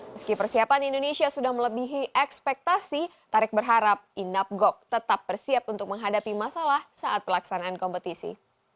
meski persiapan indonesia sudah melebihi ekspektasi tarik berharap inapgok tetap bersiap untuk menghadapi masalah saat pelaksanaan kompetisi